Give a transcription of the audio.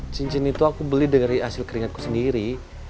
cincin itu aku beli dari hasil keringatku sendiri